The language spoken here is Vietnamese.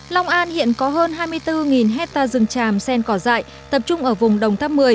long an hiện có hơn hai mươi bốn hectare rừng tràm sen cỏ dại tập trung ở vùng đồng tháp một mươi